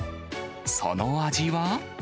その味は。